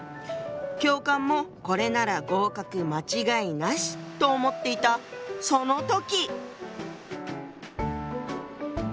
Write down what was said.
教官もこれなら合格間違いなしと思っていたその時！